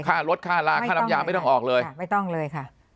ค่ารถค่าราค่ารำยาไม่ต้องออกเลย